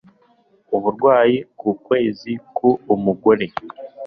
Uburwayi ku kwezi k'umugore